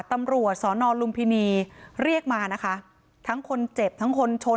ตำรวจสอนอลุมพินีเรียกมานะคะทั้งคนเจ็บทั้งคนชน